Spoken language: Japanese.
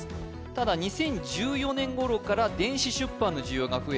ただ２０１４年頃から電子出版の需要が増えて